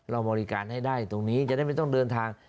เราบริการให้ได้ตรงนี้จะได้ไม่ต้องเดินทาง